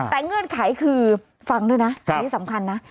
แต่เงื่อนไขคือฟังด้วยนะอันนี้สำคัญนะ